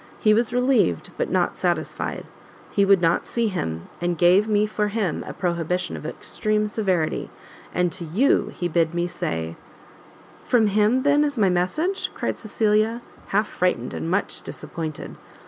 He was relieved, but not satisfied; he would not see him, and gave me for him a prohibition of extreme severity, and to you he bid me say " "From him, then, is my message?" cried Cecilia, half frightened, and much disappointed.